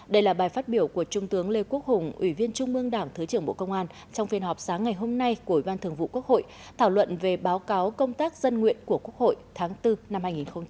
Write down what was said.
đây là bài phát biểu của trung tướng lê quốc hùng ủy viên trung mương đảng thứ trưởng bộ công an trong phiên họp sáng ngày hôm nay của ủy ban thường vụ quốc hội thảo luận về báo cáo công tác dân nguyện của quốc hội tháng bốn năm hai nghìn hai mươi